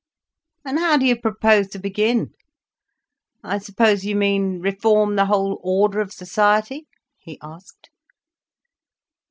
"And how do you propose to begin? I suppose you mean, reform the whole order of society?" he asked.